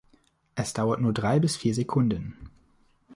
Es dauert nur drei bis vier Sekunden.